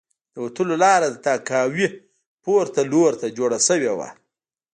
د وتلو لاره د تهکوي پورته لور ته جوړه شوې وه